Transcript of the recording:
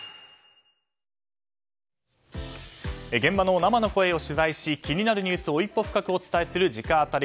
現場の生の声を取材し気になるニュースを一歩深くお伝えする直アタリ。